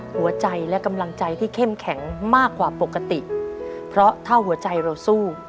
หัวใจและกำลังใจที่เข้มแข็งมากกว่าปกติเพราะถ้าหัวใจเราสู้